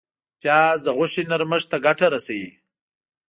پیاز د غوښې نرمښت ته ګټه رسوي